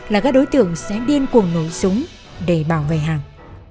là các đối tượng sẽ điên cuồng nổ súng để bảo vệ hàng